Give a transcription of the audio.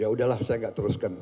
ya udahlah saya nggak teruskan